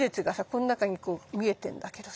この中にこう見えてんだけどさ。